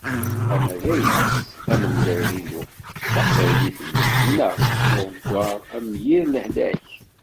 Ama d ayla-s, am "Lezzayer-inu" d "Taqbaylit-nni", neɣ n uɣewwaɣ, am "Yir Lehlak."